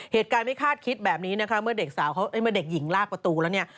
เหตุการณ์ไม่คาดคิดแบบนี้นะฮะเมื่อเด็กหญิงลากประตูแล้วเนี่ย